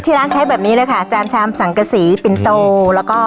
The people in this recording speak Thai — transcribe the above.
ร้านใช้แบบนี้เลยค่ะจานชามสังกษีปินโตแล้วก็